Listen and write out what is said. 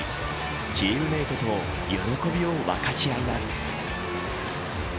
チームメートと喜びを分かち合います。